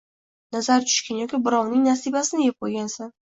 nazar tushgan yoki birovning nasibasini yeb qo‘ygansan